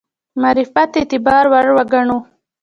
معرفت اعتبار وړ وګڼو.